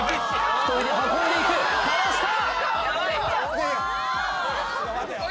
１人で運んでいくかわした！